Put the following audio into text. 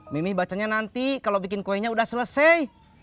mimih bacanya nanti kalau bikin kuenya udah selesai